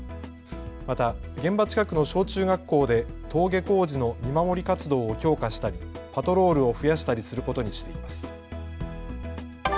また現場近くの小中学校で登下校時の見守り活動を強化したり、パトロールを増やしたりすることにしています。